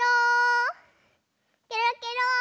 ケロケロー！